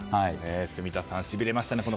住田さん、しびれましたね。